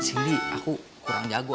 sini aku kurang jago